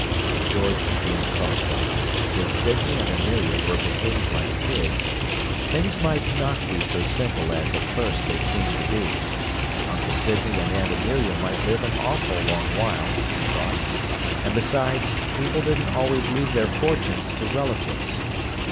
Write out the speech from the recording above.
George became thoughtful. If Sydney and Amelia were behaving like pigs, things might not be so simple as at first they seemed to be. Uncle Sydney and Aunt Amelia might live an awful long while, he thought; and besides, people didn't always leave their fortunes to relatives.